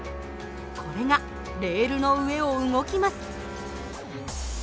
これがレールの上を動きます。